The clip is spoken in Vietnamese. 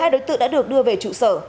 một mươi hai đối tượng đã được đưa về trụ sở